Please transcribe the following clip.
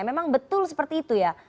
memang betul seperti itu ya